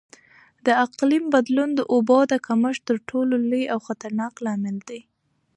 د اقلیم بدلون د اوبو د کمښت تر ټولو لوی او خطرناک لامل دی.